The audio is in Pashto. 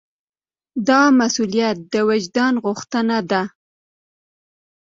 دا مسوولیت د وجدان غوښتنه ده.